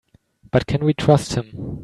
But can we trust him?